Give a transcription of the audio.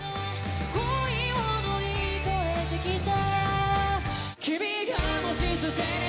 「恋を乗り越えてきた」